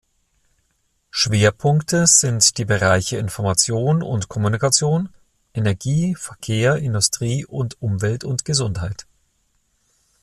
Schwerpunkte sind die Bereiche Information und Kommunikation, Energie, Verkehr, Industrie und Umwelt und Gesundheit.